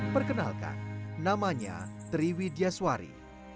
perkenalkan namanya triwi diaswari